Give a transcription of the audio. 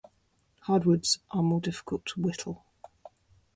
Hardwoods are more difficult to whittle.